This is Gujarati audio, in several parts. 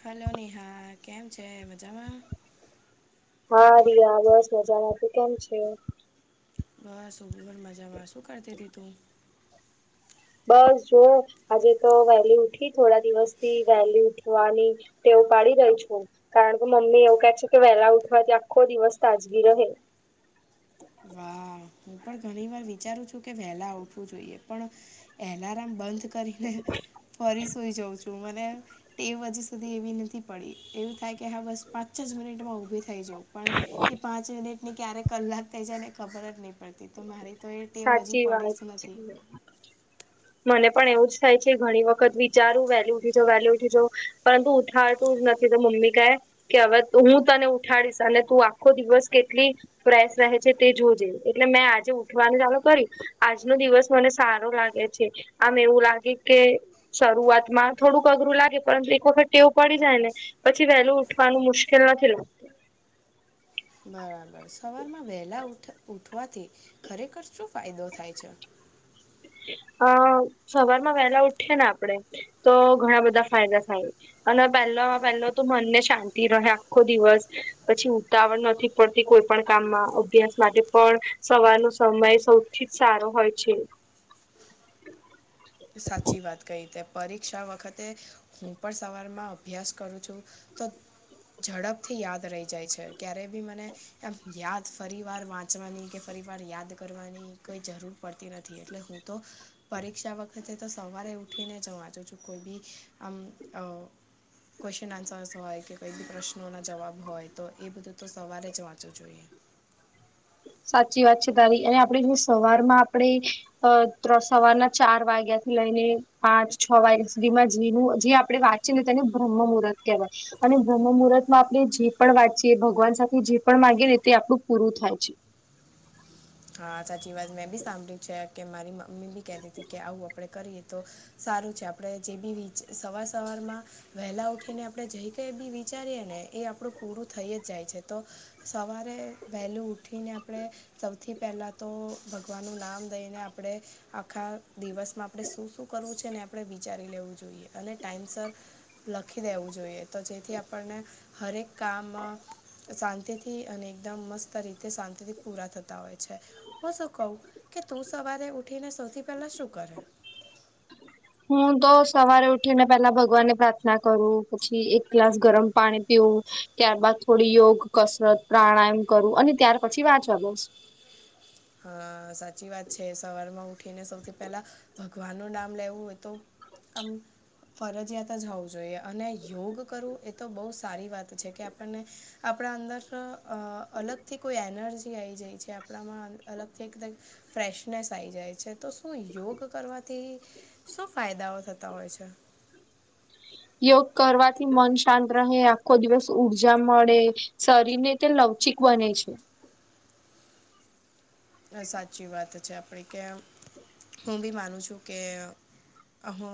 હલો નેહા કેમ છે મજામાં. હા રિયા બસ મજા માં તુ કેમ છે. બસ હું પણ મજામાં શું કરતીથી તું? બસ જો આજે તો વહેલી ઉઠી થોડા દિવસ થી વહેલી ઉઠવાની ટેવ પાડી રહી છું કારણ કે મમ્મી એવું કે છે કે વહેલા ઉઠવાથી આખો દિવસ તાજગી રહે. હા હું પણ ઘણી વાર વિચારું છું કે વહેલા ઉઠવું જોઈએ પણ એલારામ બંધ કરીને ફરી સુઈ જાઉં છું. મને ટેવ હજી સુધી એવી નથી પડી એવું થાય કે હા બસ પાંચ જ મિનિટમાં ઉભી થઈ જવું પણ એ પાંચ મિનિટ ની ક્યારે કલાક થઈ જાય ને ખબર જ નહી. પડતી તો મારી તો એ ટેવ હજી સાચી પડી વાત જ છે નથી. મને પણ એવું જ થાય છે ઘણી વખત વિચારું વેલી ઉઠી જવું વેલી ઉઠી જવું. પરંતુ ઉથાતું જ નથી તો મમ્મી કઈ કે હવે હું તને ઉઠાડીશ અને તું આખો દિવસ કેટલી ફ્રેશ રહે છે તે જોજે એટલે મેં આજે ઉઠવાનું ચાલુ કર્યું. આજનો દિવસ મને સારો લાગે છે આમ એવું લાગે કે શરૂઆત માં થોડુંક અઘરું લાગે પરંતુ એક વખત ટેવ પડી જાય ને પછી વહેલું ઉઠવાનું મુશ્કેલ નથી લાગતું. બરાબર સવારમાં વહેલા ઉઠ ઉઠવાથી ખરેખર શું ફાયદો થાય છે. અ સવારમાં વેલા ઉઠીએ ને આપડે તો ઘણા બધા ફાયદા થાય. અને પહેલા પહેલા તો મનને શાંતિ રહે આખો દિવસ પછી ઉતાવળ નથી. પડતી કોઈ પણ કામમાં અભ્યાસ માટે પણ સવારનો સમય સૌથી જ સારો હોય છે. સાચી વાત કહી તે. પરીક્ષા વખતે હું પણ સવારમાં અભ્યાસ કરું છું તો ઝડપથી યાદ રહી જાય છે ક્યારેય બી મને એમ યાદ ફરી વાર વાંચ વાચવાની કે ફરી વાર યાદ કરવાની કંઈ જરૂર પડતી નથી એટલે હું તો પરીક્ષા વખતે તે તો સવારે ઉઠીને જવાંજો છું કોઈ બી આમ આ ક્વેશ્ચન આન્સર્સ હોય કે કોઈ બી પ્રશ્નોના જવાબ હોય તો એ બધું તો સવારે જ વાંચવું જોઈએ. સાચી વાત છે તારી અને આપડ જો સવાર માં આપણેે અ ત્ર સવારના ચાર વાગ્યા થી લઈને. પાંચ છ વાગ્યા સુધીમાં જે જે આપણે વાંચીએ ને તેને બ્રહ્મ મુહૂર્ત કહેવાય અને બ્રહ્મ મુહૂર્ત માં આપણે જે પણ વાંચીએ ભગવાન સાથે જે પણ માગી ને તે આપણું પૂરું થાય છે. હા સાચી વાત મેં બી સાંભળ્યું છે કે મારી મમ્મી બી કતીી હતી કે આવું આપડણે કરીએ તો સારું છે આપણે જે બી સવાર સવાર માં વહેલા ઉઠીને આપણે જઈ કઈ બી વિચારીએ ને એ આપણું પૂરું થઈ જ જાય છે તો સવારે વહેલીું ઉઠીને આપણે સ સૌથી પહેલાં તો ભગવાનનું નામ લઈને આપણે આખા દિવસમાં આપણે શું શું કરવું છે ને આપણે વિચારી લેવું જોઈએ અને ટાઈઇમસર. લખી દેવું જોઈએ તો જેથી આપણને હરેક કામ શાંતિથી અને એકદમ મસ્ત રીતે શાંતિથી પૂરા થતા ય છે હું શું કું કે તું સવારે ઉઠીને સૌથી પહેલા શું કરે? હું તો સવારે ઉઠીને પેલા ભગવાન ને પ્રાર્થના કરું પછી એક ગ્લાસ ગરમ પાણી પીવું. ત્યાર બાાદ થોડી યોગ કસરત પ્રાણાયામ કરું અને ત્યાર પછી વાંચવા બસ હા સાચી વાત છે સવારમાં ઉઠીને સૌથી પહેલા ભગવાનનું નામ લેવું હોય તો આમ ફરજિયાત જ હોવું જોઈએ અને યોગ કરવું એ તો બહુ સારી વાત છે કે આપણને આપણા અંદર અલગથી કોઈ એનર્જી આવી જાય છે આપણામાં અલગથી એકદમ ફ્રેશનેસ આવી જાય છે તો શું યોગ કરવાથી શું ફાયદાઓ થતા હોય છે. [inaudible] યોગ કરવાથી મન શાંત રહે આખો દિવસ ઉર્જા મળે શરીર ને તે લવચિક બને છે. સાચી વાત છે આપડી કે હું બી માનું છું કે અ હું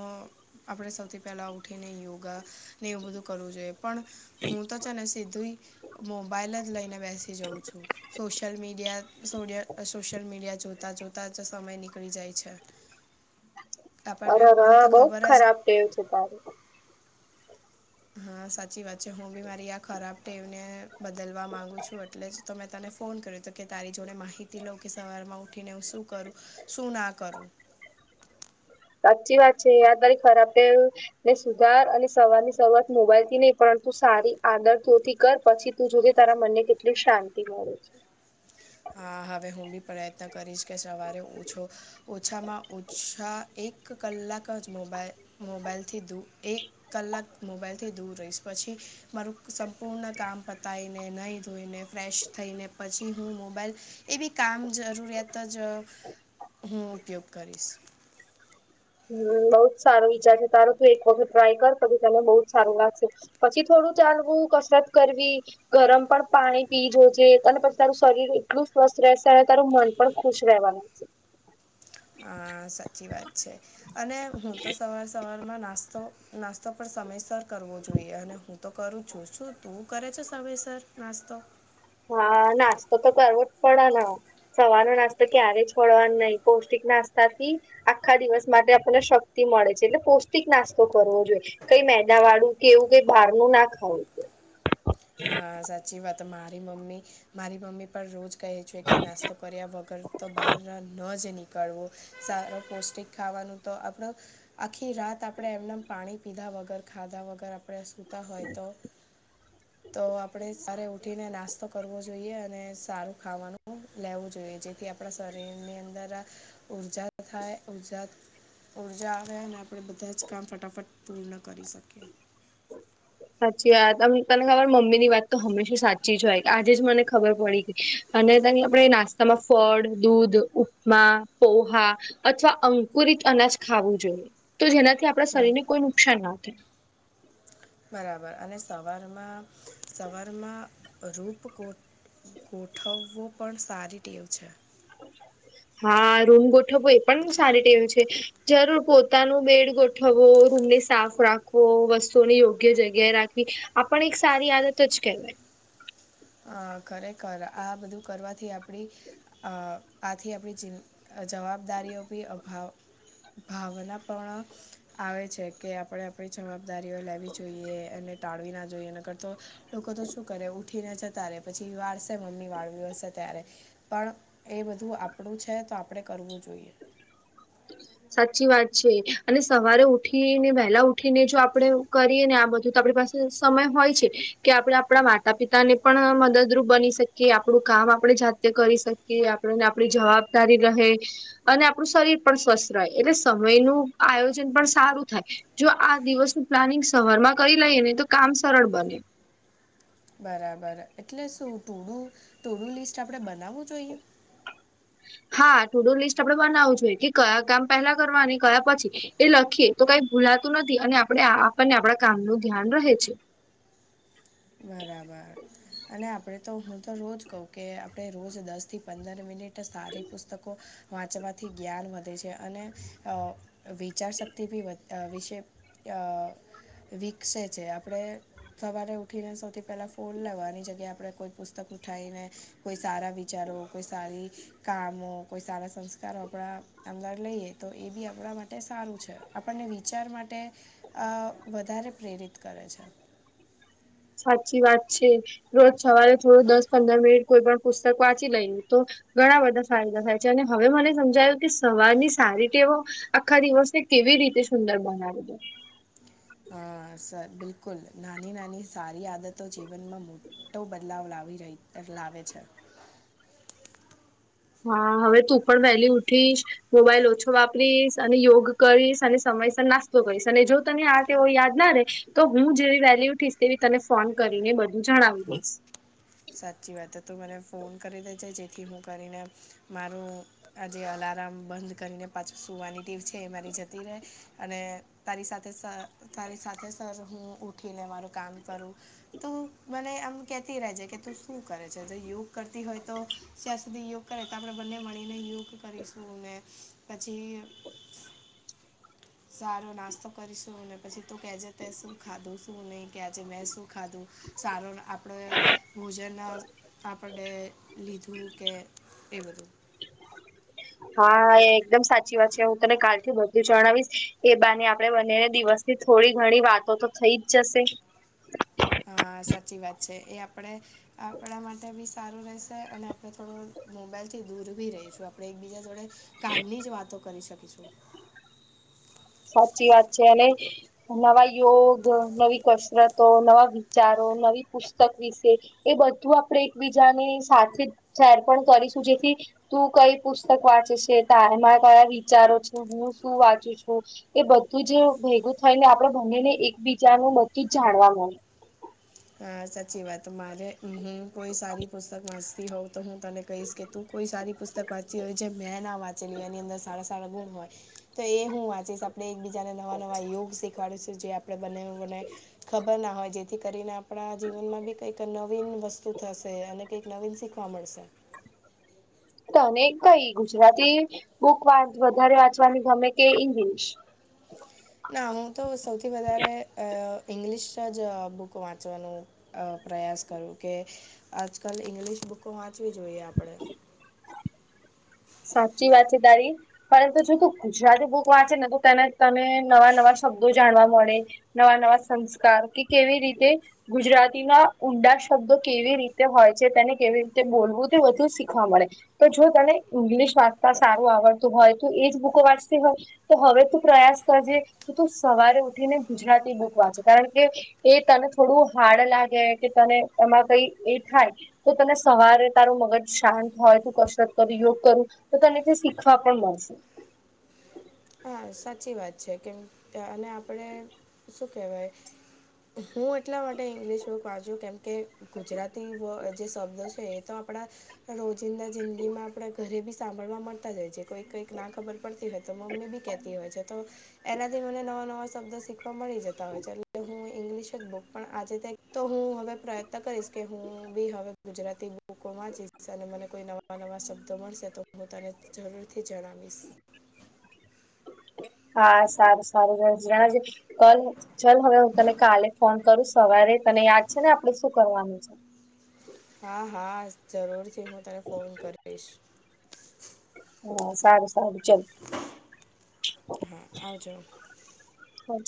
આપણે સૌથી પહેલાં ઉઠીને યોગા ને એવું બધું કરવું જોઈએ પણ હું તો છે ને સીધું મોબાઈલ જ લઈને બેસી જાઉં છું સોશિયલ મીડિયા સોડ સોશિયલ મીડિયા જોતા જોતા જ સમય નીકળી જાય છે આપણ ને અરેર મને તો બહુ ખબર જ ખરાબ ટેવ છે તારે હા સાચી વાત છે હું બી મારી આ ખરાબ ટેવને બદલવા માંગુ છું એટલે જ તો મેં તને ફોન કર્યો હતો કે તારી જોડે માહિતી લઉં કે સવારમાં ઉઠીને હું શું કરું શું ના કરું સાચી વાત છે આ તારી ખરાબ ટેવ ને સુધાર અને સવાર ની શરૂઆત મોબાઈલ થી નહી પરંતુ સારી આદર તોથી કર પછી તું જોઈ જે તારા મનને કેટલી શાંતિ મળે છે હા હવે હું બી પ્રયત્ન કરીશ કે સવારે ઓછો ઓછામાં ઓછા એક કલાક જ મોબાઈલ મોબાઈલથી દૂ એક કલાક મોબાઈલથી દૂર રહીશ પછી મારું સંપૂર્ણ કામ પતાવીને નહીં ધોઈને ફ્રેશ થઈને પછી હું મો મોબાઈલ એ બ કામ જરૂરિયાત જ હું ઉપયોગ કરીશ હમ્મ બઉુ જ સારો ઈચાર છે તારો તું એક વખત ટ્રાય કર તો તને બહ જ સારું લાગશે પછી થોડું ચાલવું કસરત કરવી ગરમ પણ પાણી પીજજે અને પછી તારું શરીર એટલું સ્વસ્થ રહેશે અને તારું મન પણ ખુશ રહેવાનું છે અ સાચી વાત છે અને હું તો સવાર સવારમાં નાસ્તો નાસ્તો પણ સમયસર કરવો જોઈએ અને હું તો કરું છું શું તું કરે છે સમયસર નાસ્તો હા નાસ્તો તો કરવો જ પડે ને સવારનો નાસ્તો ક્યારેય છોડવાન નઈ પૌષ્ટિક નાસ્તાથી આખા દિવસ માટે આપડને શક્તિ મળે છે એટલે પૌષ્ટિક નાસ્તો કરવો જોઈએ. કઈ મેદા વાળું કે એવું કઈ બહારનું ના ખાવું. હા, સાચી વાત. મારી મમ્મી, મારી મમ્મી પણ રોજ કહે છે કે નાસ્તો કર્યા વગર તો બહાર ન જ નીકળવું, સારો પૌષ્ટિક ખાવાનું તો આપડો આખી રાત આપડે એમ નેમ પાણી પીધા વગર, ખાધા વગર આપડે સૂ તો હોય તો તો આપડે સારે ઉઠીને નાસ્તો કરવો જોઈએ અને સારું ખાવાનું લેવું જોઈએ, જેથી આપડા શરીરની અંદર ઉર્જા થાય ઉર્જા ઉર્જા આવે અને આપડે બધા જ કામ ફટાફટ પૂર્ણ કરી શકીએ. સાચી વાત. તમ તમને ખબર મમ્મીની વાત તો હંમેશા સાચી જ હોય, આજે જ મને ખબર પડી ગઈ. અને તની આપડે નાસ્તામાં ફળ, દૂધ, ઉપમા, પોહા અથવા અંકુરિત અનાજ ખાવું જોઈએ, તો જેનાથી આપડા શરીરને કોઈ નુકસાન ના થાય. બરાબર અને સવારમાં, સવારમાં રૂપ કો ગોઠવવુ પણ સારી ટેવ છે. હા, રૂમ ગોઠવો એ પણ ગોઠવવો સારી ટેવ છે. જરૂર પોતાનું બેડ ગોઠવવો, રૂમને સાફ રાખવો, વસ્તુઓને યોગ્ય જગ્યાએ રાખવી. આ પણ એક સારી આદત જ કેવાય. અ ખરેખર આ બધું કરવાથી આપડી અ આથી આપડી ચિન અ જવાબદારીઓ બી અભાવ ભાવના પણ આવે છે કે આપડે આપડી જવાબદારીઓ લેવી જોઈએ એને ટાળવી ના જોઈએ નકર તો લોકો તો શું કરે, ઉઠીને જતા રે પછી વાળસે મમ્મી વાળવુ હસે ત્યારે. પણ એ બધું આપડુ છે તો આપડે કરવું જોઈએ. [inaudible] સાચી વાત છે, અને સવારે ઉઠીને વહેલા ઉઠીને જો આપડે કરીએ ને આ બધું તો આપડી પાસે ટૂક સમય હોય છે કે આપડે આપડા માતા-પિતાને પણ મદદરૂપ બની શક કે આપડુ કામ આપડે જાતે કરી શકીએ, આપડન આપડી જવાબદારી રહે. અને આપડુ શરીર પણ સ્વસ્થ રહે એટલે સમયનું આયોજન પણ સારું થાય. જો આ દિવસનું પ્લાનિંગ સવારમાં કરી લઈએ ને તો કામ સરળ બને. બરાબર, એટલે શું ટુ-ડુ ટુ-ડુ લિસ્ટ આપડે બનાવું જોઈએ? હા, ટુ-ડુ લિસ્ટ આપડે બનાવું જોઈએ, કે કયા કામ પેલા કરવા અને કયા પછી એ લખીએ તો કઈ ભૂલાતું નથી અને આપડે આપડને આપડા કામનું ધ્યાન રહે છે. બરાબર. અને આપડે તો હું તો રોજ કઉ કે આપડે રોજ દસ થી પંદર મિનિટ સારી પુસ્તકો વાંચવાથી જ્ઞાન વધે છે, અને અ વિચારશક્તિ ભી વધ અ વિશે અ વિકસે છે આપડે સવારે ઉઠીને સૌથી પહેલા ફોન લેવાની જગ્યાએ આપડે કોઈ પુસ્તક ઉઠાઈને કોઈ સારા વિચારો, કોઈ સારી કામો કોઈ સારા સંસ્કારો આપડા અંદર લઈએ તો એ બી આપડા માટે સારું છે. આપડને વિચાર માટે અ વધારે પ્રેરિત કરે છે. સાચી વાત છે, રોજ સવારે થોડું દસ-પંદર મિનિટ કોઈ પણ પુસ્તક વાંચી લઈએ તો ઘણા બધા ફાયદા થાય છે, અને હવે મને સમજાયું કે સવારની સારી ટેવો આખા દિવસે કેવી રીતે સુંદર બનાવી દે. હન, સર બિલકુલ નાની-નાની સારી આદતો જીવનમાં મો ટો બદલાવ લાવી રહી, લાવે છે. હા, હવે તું પણ વહેલી ઉઠીશ, મોબાઈલ ઓછો વાપરીશ અને યોગ કરીશ અને સમયસર નાસ તો કરીશ અને જો તને આ ટેવો યાદ ના રે તો હું જેવી વહેલી ઉઠીશ તેવી તને ફોન કરીને બધું જણાવી દઈશ. સાચી વાત, તે તું મને ફોન કરી દેજે જેથી હું કરીને મારું આ જે અલારામ બંધ કરીને પાછુ સુવાની ટેવ છે એ મારી જતી રહે અને તારી સાથે સર તારી સાથે સર હું ઉઠીને મારું કામ કરવું તું મને આમ કહેતી રહેજે કે તું શું કરે છે તો યોગ કરતી હોય તો સ્યા સુધી યોગ કરે તો આપણે બંને મળીને યોગ કરીશું ને પછી સારો નાસ્તો કરીશું ને પછી તું કેજે તે શું ખાધું શું નહી કે આજે મેં શું ખાધું સારો આપણે ભોજન આપને લીધું કે એ બધું હા હા એ એકદમ સાચી વાત છે હું તને કાલ થી બધું જણાવીશ એ બાને આપડે બંનેને દિવસ થી થોડી ઘણી વાતો તો થઈ જ જશે હા સાચી વાત છે એ આપણે આપણા માટે બી સારું રહેશે અને આપણે થોડો મોબાઈલથી દૂર બી રહીશું આપણે એકબીજા જોડે કામની જ વાતો કરી શકીશું સાચી વાત છે અને નવા યોગ નવી કસરતો નવા વિચારો નવી પુસ્તક એ બધું આપણે એકબીજાની સાથે શેર પણ કરીશું જેથી તું કઈ પુસ્તક વાંચે છે તારેમાં કયા વિચારો છે હું શું વાંચું છું એ બધું જ ભેગું થઈ ને આપડે ભનેને એકબીજાનું બધું જ જાણવા મળે હા સાચી વાત મારે હું કોઈ સારી પુસ્તક વાંચતી હોઉ તો હું તને કહીશ કે તું કોઈ સારી પુસ્તક વાંચી હોય જે મેં ના વાંચેલી હોય એની અંદર સારા સારા ગુણ હોય તો એ હું વાંચીશ આપડે એક બીજા જેને નવા નવા યુગ શીખવાડે છે જે આપણે બને બને ખબર ના હોય જેથી કરીને આપણા જીવન માં બી કઈક નવીન વસ્તુ થશે અને કઈક નવીન શીખવા મળશે. તને કઈ ગુજરાતી બુક વધારે વાંચવાની ગમે કે ઇંગ્લિશ ના હું તો સૌથી વધારે ઇંગ્લિશ જ બુક વાંચવાનું અ પ્રયાસ કરું કે આજકાલ ઈંગ્લિશ બુકો વાંચવુ જોઈએ આપળે સાચી વાત છે તારી પરંતુ જો ત ગુજરાતી બુ વાંચે ને તો તેને તને નવા નવા શબ્દો જાણવા મળે નવા નવા સંસ્કાર કે કેવી રીતે ગુજરાતીના ઊંડા શબ્દો કેવી રીતે હોય છે તેને કેવી રીતે બોલવું તે વધુ શીખવા મળે તો જો તને ઇંગ્લિશ વાંચતા સારું આવડતું હોય તો, એજ બુકો વાંચતી હોય તો, હવે તું પ્રયાસ કરજે. તો તું સવારે ઉઠીને, ગુજરાતી બુક વાંચે, કારણ કે એ તને થોડું હાર્ડ લાગે કે, તને એમાં કંઈ એ થાય. તો તને સવારે તારું મગજ શાંત હોય, તું કસરત કરી જો. કરું તો, તને તે શીખવા પણ મળશે. હા, સાચી વાત છે, કેમ અને આપણે શું કહેવાય? હું એટલા માટે ઈંગ્લિશ બુક વાંચુ, કેમ કે, ગુજરાતી જે શબ્દ છે એ તો આપણા રોજિંદા જિંદગી માં આપડા ઘરે બી સાંભળવા મળતા જ હોય છે, કોઈ કંઈક ના ખબર પડતી હોય, તો મમ્મી બી હોય, તો એનાથી મને નવા નવા શબ્દ શીખવા મળી જતા હોય છે. ઇંગ્લિશ જ બુક પણ આજે તો, હું હવે પ્રયત્ન કરીશ કે, હું બી હવે ગુજરાતી બુકો માં જ, અને મને કોઈ નવા નવા શબ્દો મળશે તો, હું તને જરૂર થી જણાવીશ. હા, સારું, સારું, ચલ. હવે હું તમે કાલે ફોન કરું, સવારે તને યાદ છે ને? આપડે શું કરવાનું છે? હા, હા, જરૂરથી. હું તને ફોન કરીશ. હા, સારું, સારું, ચલ. હા, આવજો. હ.